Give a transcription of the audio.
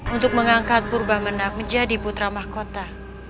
untuk mengangkat purba menak menjadi putra mahkota